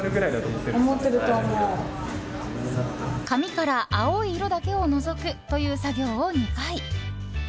髪から青い色だけを除くという作業を２回。